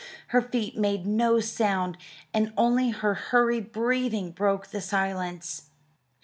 Her feet made no sound, and only her hurried breathing broke the silence.